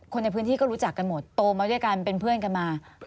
คนในพื้นที่ก็รู้จักกันหมดโตมาด้วยกันเป็นเพื่อนกันมา